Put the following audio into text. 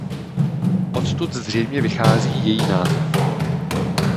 Odtud zřejmě pochází její název.